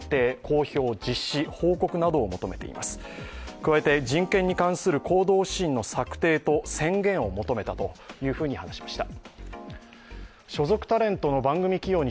加えて人権に関する行動指針の策定と宣言を求めたと話しました。